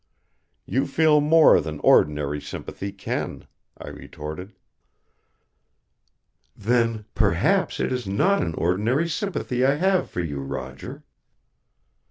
"You feel more than ordinary sympathy can," I retorted. "Then, perhaps it is not an ordinary sympathy I have for you, Roger."